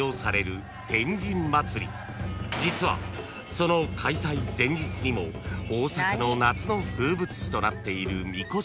［実はその開催前日にも大阪の夏の風物詩となっているみこしがあるんです］